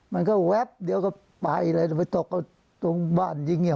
มันกระเหว๊บเดี๋ยวเขาไปเลยแล้วไปตดเป็ดตรงบ่านอย่างงี้